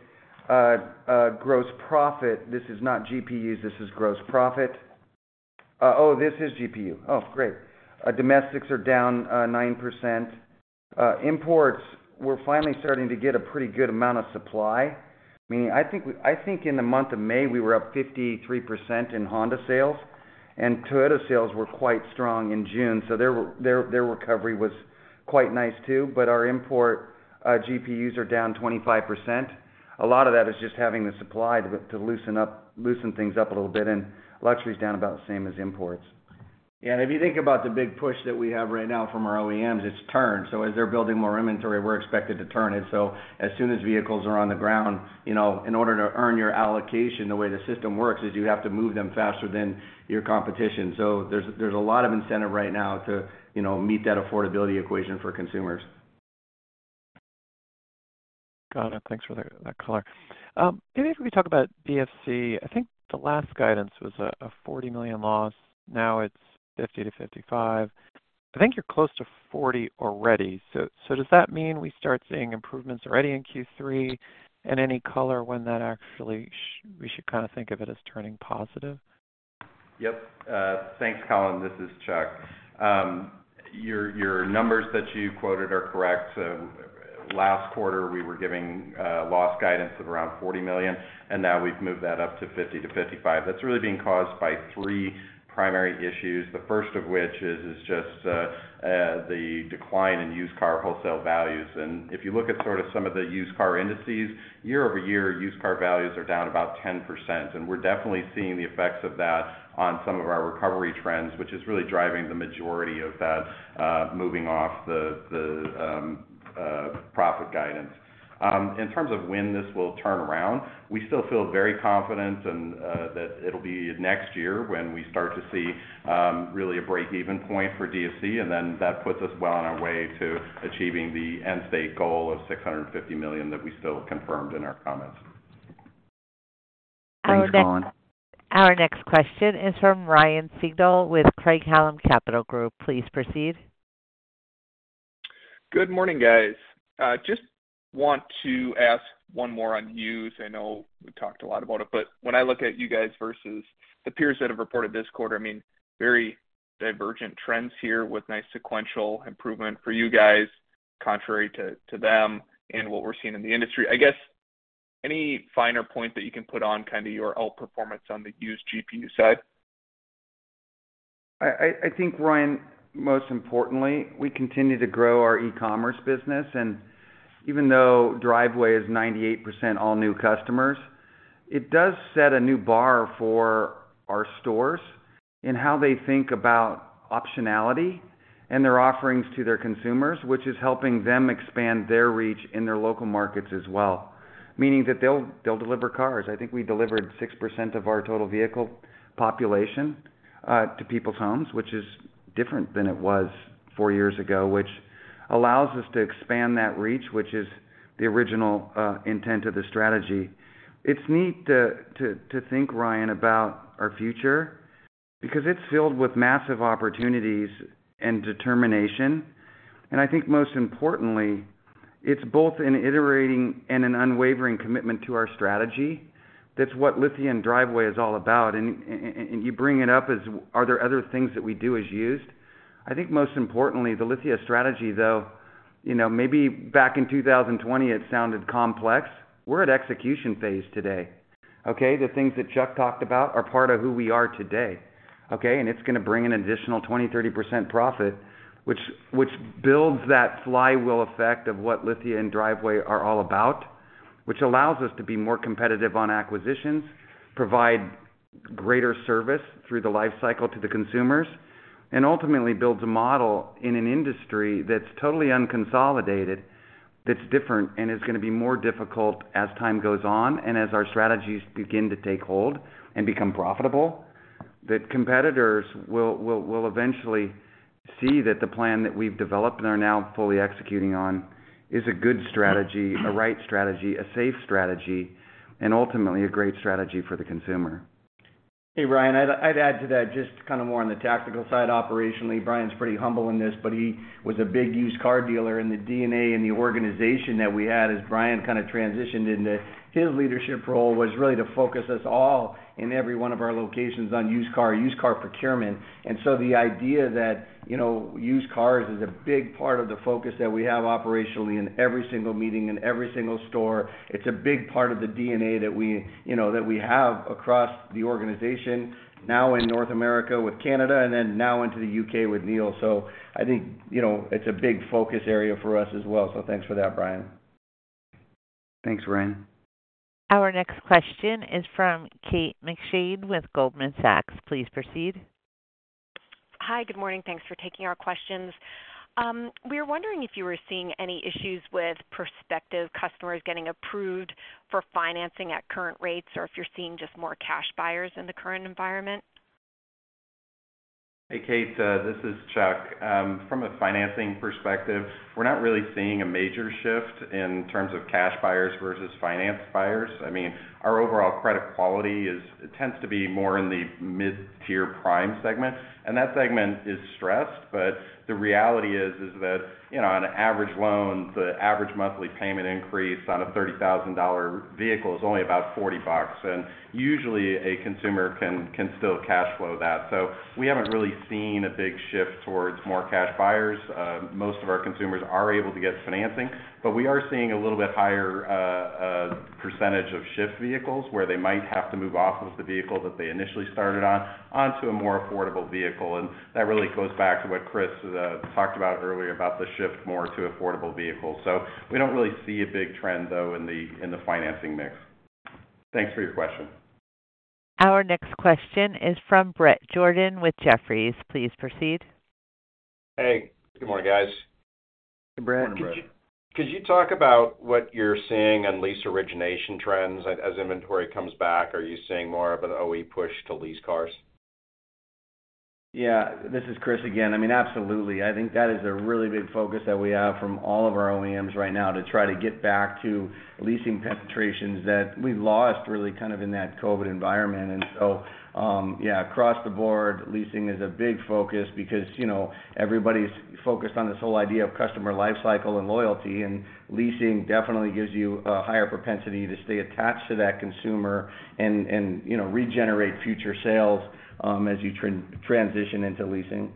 gross profit, this is not GPUs, this is gross profit. Oh, this is GPU. Oh, great. Domestics are down 9%. Imports, we're finally starting to get a pretty good amount of supply. I mean, I think in the month of May, we were up 53% in Honda sales, and Toyota sales were quite strong in June, so their recovery was quite nice too. Our import GPUs are down 25%. A lot of that is just having the supply to loosen up, loosen things up a little bit, and luxury is down about the same as imports. If you think about the big push that we have right now from our OEMs, it's turn. As they're building more inventory, we're expected to turn it. As soon as vehicles are on the ground, you know, in order to earn your allocation, the way the system works is you have to move them faster than your competition. There's a lot of incentive right now to, you know, meet that affordability equation for consumers. Got it. Thanks for that color. Maybe if we talk about DFC, I think the last guidance was a $40 million loss. Now it's $50 million-$55 million. I think you're close to $40 million already. Does that mean we start seeing improvements already in Q3? Any color when that actually we should kind of think of it as turning positive? Yep. Thanks, Colin. This is Chuck. Your numbers that you quoted are correct. Last quarter, we were giving loss guidance of around $40 million, and now we've moved that up to $50-$55 million. That's really being caused by three primary issues. The first of which is just the decline in used car wholesale values. If you look at sort of some of the used car indices, year-over-year, used car values are down about 10%, and we're definitely seeing the effects of that on some of our recovery trends, which is really driving the majority of that moving off the profit guidance. In terms of when this will turn around, we still feel very confident and that it'll be next year when we start to see really a breakeven point for DFC. That puts us well on our way to achieving the end state goal of $650 million that we still confirmed in our comments. Our next question is from Ryan Sigdahl with Craig-Hallum Capital Group. Please proceed. Good morning, guys. Just want to ask one more on used. I know we talked a lot about it, but when I look at you guys versus the peers that have reported this quarter, I mean, very divergent trends here with nice sequential improvement for you guys, contrary to them and what we're seeing in the industry. I guess, any finer point that you can put on kind of your outperformance on the used GPU side? I think, Ryan, most importantly, we continue to grow our e-commerce business. Even though Driveway is 98% all new customers, it does set a new bar for our stores in how they think about optionality and their offerings to their consumers, which is helping them expand their reach in their local markets as well, meaning that they'll deliver cars. I think we delivered 6% of our total vehicle population to people's homes, which is different than it was four years ago, which allows us to expand that reach, which is the original intent of the strategy. It's neat to think, Ryan, about our future because it's filled with massive opportunities and determination. I think most importantly, it's both an iterating and an unwavering commitment to our strategy. That's what Lithia & Driveway is all about. You bring it up as, are there other things that we do as used? I think most importantly, the Lithia strategy, though, you know, maybe back in 2020, it sounded complex. We're at execution phase today, okay? The things that Chuck talked about are part of who we are today, okay? It's going to bring an additional 20%-30% profit, which builds that flywheel effect of what Lithia & Driveway are all about, which allows us to be more competitive on acquisitions, provide greater service through the life cycle to the consumers, and ultimately builds a model in an industry that's totally unconsolidated, that's different, and is going to be more difficult as time goes on and as our strategies begin to take hold and become profitable. That competitors will eventually see that the plan that we've developed and are now fully executing on, is a good strategy, a right strategy, a safe strategy, and ultimately a great strategy for the consumer. Hey, Bryan, I'd add to that, just kind of more on the tactical side operationally. Bryan's pretty humble in this, but he was a big used car dealer, and the DNA and the organization that we had as Bryan kind of transitioned into his leadership role, was really to focus us all in every one of our locations on used car procurement. The idea that, you know, used cars is a big part of the focus that we have operationally in every single meeting and every single store. It's a big part of the DNA that we, you know, that we have across the organization now in North America with Canada, and then now into the UK with Neil. I think, you know, it's a big focus area for us as well. Thanks for that, Bryan. Thanks, Ryan. Our next question is from Kate McShane with Goldman Sachs. Please proceed. Hi, good morning. Thanks for taking our questions. We were wondering if you were seeing any issues with prospective customers getting approved for financing at current rates, or if you're seeing just more cash buyers in the current environment? Hey, Kate, this is Chuck. From a financing perspective, we're not really seeing a major shift in terms of cash buyers versus finance buyers. I mean, our overall credit quality tends to be more in the mid-tier prime segment, and that segment is stressed. The reality is that, you know, on an average loan, the average monthly payment increase on a $30,000 vehicle is only about $40, and usually a consumer can still cash flow that. We haven't really seen a big shift towards more cash buyers. Most of our consumers are able to get financing, but we are seeing a little bit higher percentage of shift vehicles, where they might have to move off of the vehicle that they initially started on, onto a more affordable vehicle. That really goes back to what Chris talked about earlier about the shift more to affordable vehicles. We don't really see a big trend, though, in the financing mix. Thanks for your question. Our next question is from Bret Jordan with Jefferies. Please proceed. Hey, good morning, guys. Hey, Bret. Good morning, Bret. Could you talk about what you're seeing on lease origination trends as inventory comes back? Are you seeing more of an OE push to lease cars? Yeah, this is Chris again. I mean, absolutely. I think that is a really big focus that we have from all of our OEMs right now, to try to get back to leasing penetrations that we lost really kind of in that COVID environment. Yeah, across the board, leasing is a big focus because, you know, everybody's focused on this whole idea of customer life cycle and loyalty, and leasing definitely gives you a higher propensity to stay attached to that consumer and, you know, regenerate future sales, as you transition into leasing.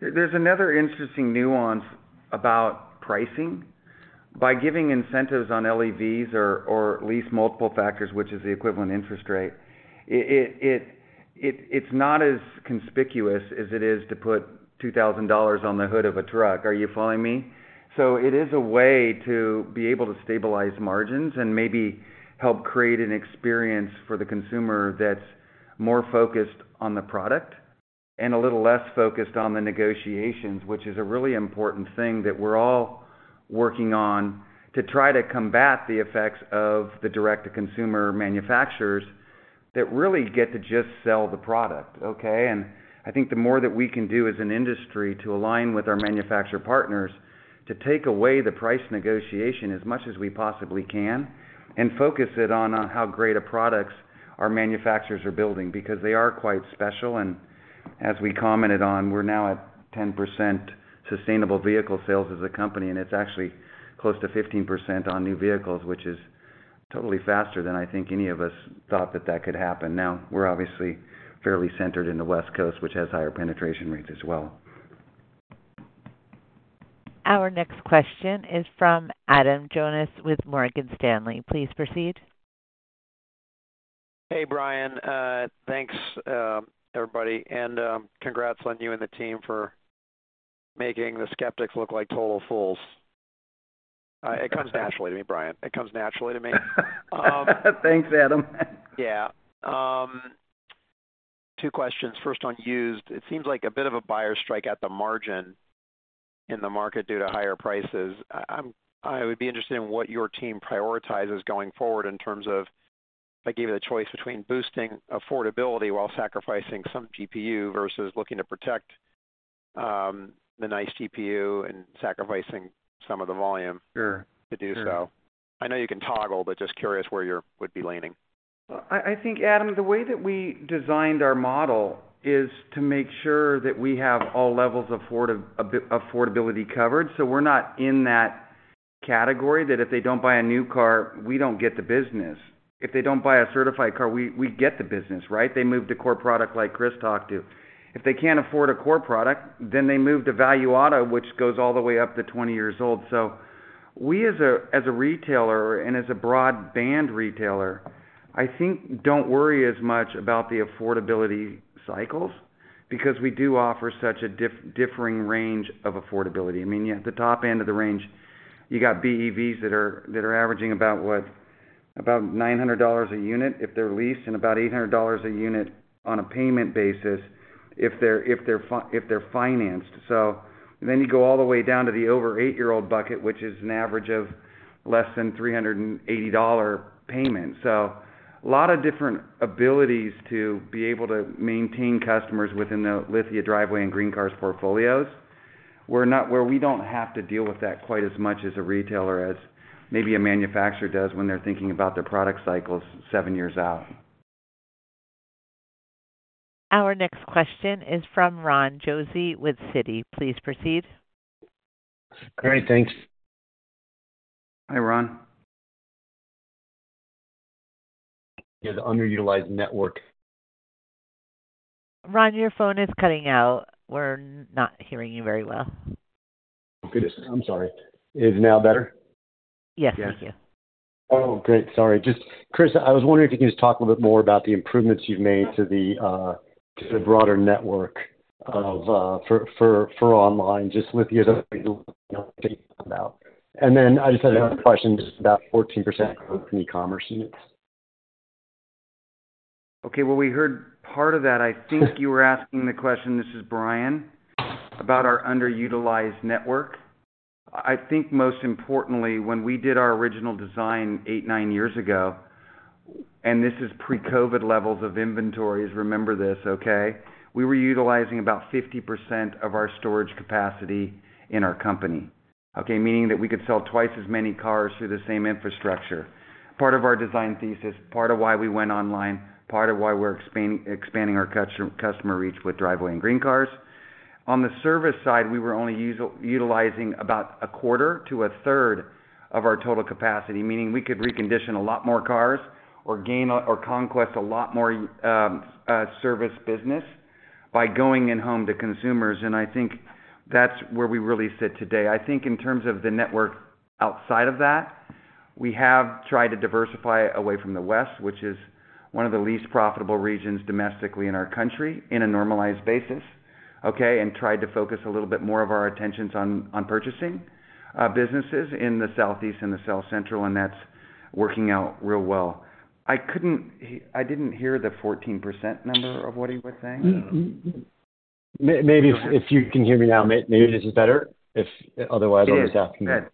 There's another interesting nuance about pricing. By giving incentives on LEVs or lease multiple factors, which is the equivalent interest rate, it's not as conspicuous as it is to put $2,000 on the hood of a truck. Are you following me? It is a way to be able to stabilize margins and maybe help create an experience for the consumer that's more focused on the product and a little less focused on the negotiations, which is a really important thing that we're all working on to try to combat the effects of the direct-to-consumer manufacturers that really get to just sell the product, okay? I think the more that we can do as an industry to align with our manufacturer partners, to take away the price negotiation as much as we possibly can and focus it on how great a products our manufacturers are building, because they are quite special. As we commented on, we're now at 10% sustainable vehicle sales as a company, and it's actually close to 15% on new vehicles, which is totally faster than I think any of us thought that that could happen. We're obviously fairly centered in the West Coast, which has higher penetration rates as well. Our next question is from Adam Jonas with Morgan Stanley. Please proceed. Hey, Bryan. Thanks, everybody. Congrats on you and the team for making the skeptics look like total fools. It comes naturally to me, Bryan. It comes naturally to me. Thanks, Adam. Yeah. Two questions. First, on used, it seems like a bit of a buyer's strike at the margin in the market due to higher prices. I would be interested in what your team prioritizes going forward in terms of, if I gave you the choice between boosting affordability while sacrificing some GPU versus looking to protect the nice GPU and sacrificing some of the volume. Sure. -to do so. I know you can toggle, but just curious where would be leaning? I think, Adam, the way that we designed our model is to make sure that we have all levels of affordability covered. We're not in that category, that if they don't buy a new car, we don't get the business. If they don't buy a certified car, we get the business, right? They move to core product like Chris talked to. If they can't afford a core product, they move to value auto, which goes all the way up to 20 years old. We, as a, as a retailer and as a broad band retailer, I think, don't worry as much about the affordability cycles because we do offer such a differing range of affordability. I mean, at the top end of the range, you got BEVs that are averaging about, what? About $900 a unit if they're leased, and about $800 a unit on a payment basis if they're financed. You go all the way down to the over eight-year-old bucket, which is an average of less than $380 payment. A lot of different abilities to be able to maintain customers within the Lithia & Driveway and GreenCars portfolios. Where we don't have to deal with that quite as much as a retailer, as maybe a manufacturer does when they're thinking about their product cycles seven years out. Our next question is from Ron Josey with Citi. Please proceed. Great, thanks. Hi, Ron. Yeah, the underutilized network. Ron, your phone is cutting out. We're not hearing you very well. Good. I'm sorry. Is now better? Yes, thank you. Oh, great. Sorry. Chris, I was wondering if you could just talk a little bit more about the improvements you've made to the broader network of for online. I just had another question, just about 14% from e-commerce units. Okay, well, we heard part of that. I think you were asking the question, this is Bryan, about our underutilized network. I think most importantly, when we did our original design eight, nine years ago, and this is pre-COVID levels of inventories, remember this, okay? We were utilizing about 50% of our storage capacity in our company. Okay? Meaning that we could sell twice as many cars through the same infrastructure. Part of our design thesis, part of why we went online, part of why we're expanding our customer reach with Driveway and Green Cars. On the service side, we were only utilizing about a quarter to a third of our total capacity, meaning we could recondition a lot more cars or gain or conquest a lot more service business by going in-home to consumers. I think that's where we really sit today. I think in terms of the network outside of that, we have tried to diversify away from the West, which is one of the least profitable regions domestically in our country, in a normalized basis, okay? Tried to focus a little bit more of our attentions on purchasing businesses in the Southeast and the South Central, and that's working out real well. I didn't hear the 14% number of what he was saying. Maybe if you can hear me now, maybe this is better? If otherwise, I'll just. It is. Good.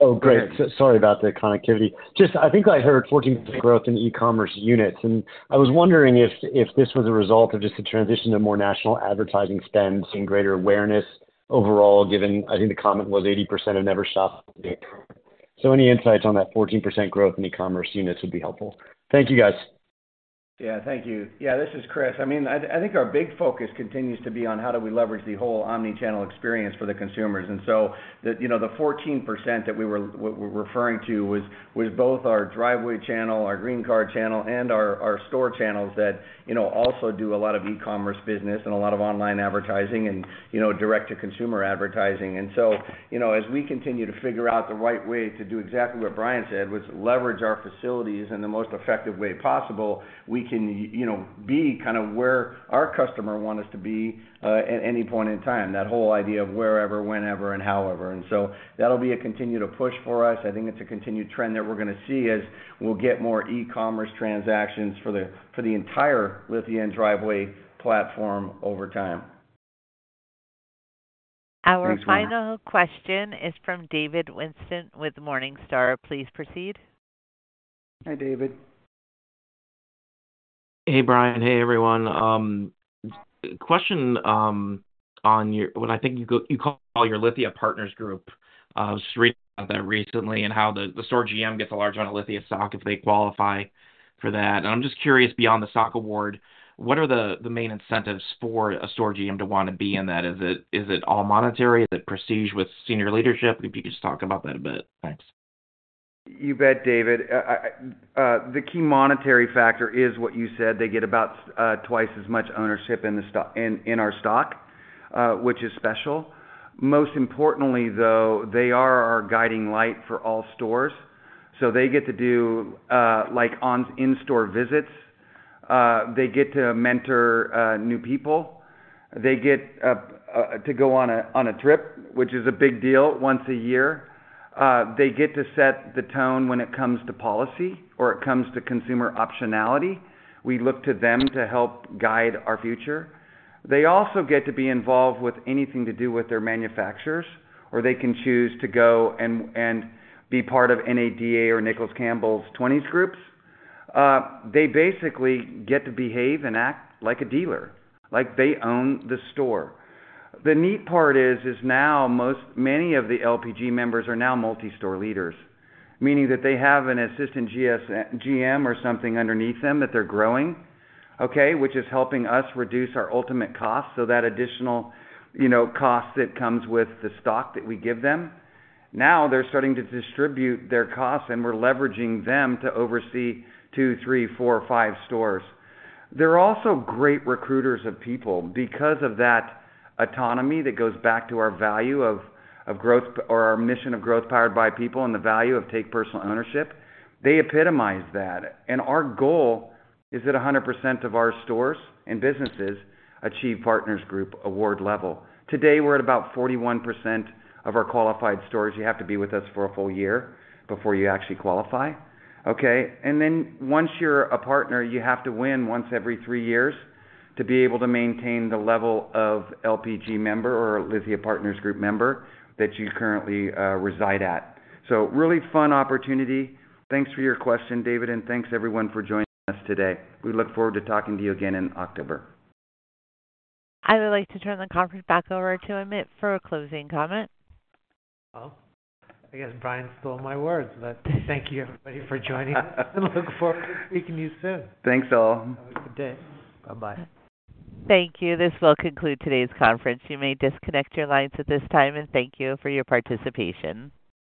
Oh, great. Sorry about the connectivity. Just I think I heard 14 growth in e-commerce units. I was wondering if this was a result of just the transition to more national advertising spends and greater awareness overall, given, I think the comment was 80% have never stopped it. Any insights on that 14% growth in e-commerce units would be helpful. Thank you, guys. Yeah. Thank you. Yeah, this is Chris. I mean, I think our big focus continues to be on how do we leverage the whole omnichannel experience for the consumers. The, you know, the 14% that we're referring to was both our Driveway channel, our GreenCars channel, and our store channels that, you know, also do a lot of e-commerce business and a lot of online advertising and, you know, direct-to-consumer advertising. You know, as we continue to figure out the right way to do exactly what Bryan said, which leverage our facilities in the most effective way possible, we can, you know, be kind of where our customer want us to be at any point in time. That whole idea of wherever, whenever, and however. That'll be a continued push for us. I think it's a continued trend that we're gonna see as we'll get more e-commerce transactions for the entire Lithia & Driveway platform over time. Our final question is from David Whiston with Morningstar. Please proceed. Hi, David. Hey, Brian. Hey, everyone. Question, you call your Lithia Partners Group recently, and how the store GM gets a large amount of Lithia stock if they qualify for that. I'm just curious, beyond the stock award, what are the main incentives for a store GM to want to be in that? Is it all monetary? Is it prestige with senior leadership? If you could just talk about that a bit. Thanks. You bet, David. The key monetary factor is what you said. They get about twice as much ownership in our stock, which is special. Most importantly, though, they are our guiding light for all stores, so they get to do, like, on in-store visits. They get to mentor new people. They get to go on a trip, which is a big deal, once a year. They get to set the tone when it comes to policy or it comes to consumer optionality. We look to them to help guide our future. They also get to be involved with anything to do with their manufacturers, or they can choose to go and be part of NADA or NCM 20 Groups. They basically get to behave and act like a dealer, like they own the store. The neat part is now most many of the LPG members are now multi-store leaders, meaning that they have an assistant GM or something underneath them, that they're growing, okay, which is helping us reduce our ultimate costs. That additional, you know, cost that comes with the stock that we give them. Now they're starting to distribute their costs, and we're leveraging them to oversee two, three, four, five stores. They're also great recruiters of people because of that autonomy that goes back to our value of growth or our mission of growth powered by people and the value of take personal ownership. They epitomize that, and our goal is that 100% of our stores and businesses achieve Partners Group award level. Today, we're at about 41% of our qualified stores. You have to be with us for a full year before you actually qualify, okay? Then once you're a partner, you have to win once every three years to be able to maintain the level of LPG member or Lithia Partners Group member that you currently reside at. Really fun opportunity. Thanks for your question, David, and thanks everyone for joining us today. We look forward to talking to you again in October. I would like to turn the conference back over to Amit for a closing comment. Well, I guess Brian stole my words, but thank you everybody for joining us and look forward to speaking to you soon. Thanks, all. Have a good day. Bye-bye. Thank you. This will conclude today's conference. You may disconnect your lines at this time, and thank you for your participation.